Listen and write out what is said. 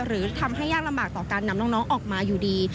หรือทำให้ยากลำบากต่อการนำน้องออกมาอยู่ดี